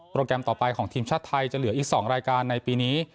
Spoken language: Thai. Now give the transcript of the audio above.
แกรมต่อไปของทีมชาติไทยจะเหลืออีก๒รายการในปีนี้